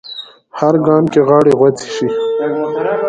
هر ګام کې غاړې غوڅې شي